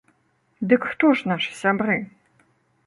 Дык хто ж нашы сябры?